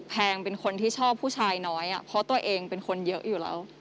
แพงเป็นคนที่ชอบผู้ชายน้อยเพราะตัวเองเป็นคนเยอะอยู่แล้ว